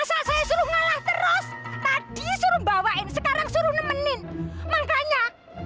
sampai jumpa di video selanjutnya